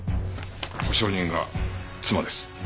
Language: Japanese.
保証人が妻です。